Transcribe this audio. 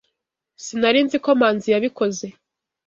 Sinari nzi ko Manzi yabikoze.